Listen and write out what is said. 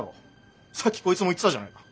さっきこいつも言ってたじゃないか。